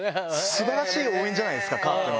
すばらしい応援じゃないですか、カープの。